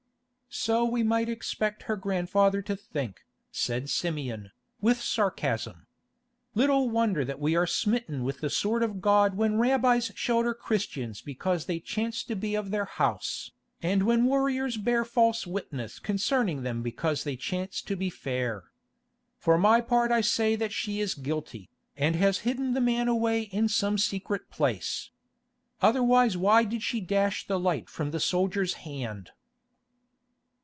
"So we might expect her grandfather to think," said Simeon, with sarcasm. "Little wonder that we are smitten with the Sword of God when Rabbis shelter Christians because they chance to be of their house, and when warriors bear false witness concerning them because they chance to be fair. For my part I say that she is guilty, and has hidden the man away in some secret place. Otherwise why did she dash the light from the soldier's hand?"